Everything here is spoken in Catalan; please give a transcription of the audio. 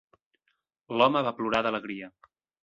L'home va plorar d'alegria.